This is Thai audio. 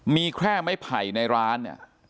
มีแค่ไม้ไผ่ในร้านเนี่ย